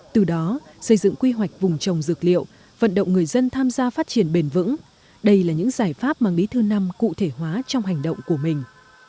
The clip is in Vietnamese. từ đó xây dựng quy hoạch vùng trồng dược liệu vận động người dân tham gia phát triển bền vững đây là những giải pháp mang bí thư năm cụ thể hóa trong hành động của mình